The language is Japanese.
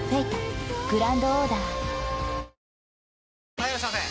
・はいいらっしゃいませ！